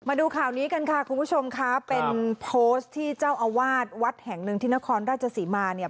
มาดูข่าวนี้กันค่ะคุณผู้ชมค่ะเป็นโพสต์ที่เจ้าอาวาสวัดแห่งหนึ่งที่นครราชศรีมาเนี่ย